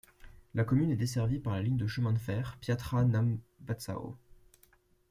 La commune est desservie par la ligne de chemin de fer Piatra Neamț-Bacău.